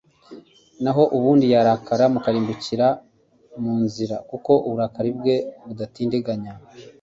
naho ubundi yarakara, mukarimbukira mu nzira, kuko uburakari bwe budatindiganya